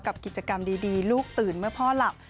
กับกิจกรรมดีลูกตื่นเมื่อพ่อหลับ